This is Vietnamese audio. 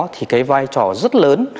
thì cái vai trò rất lớn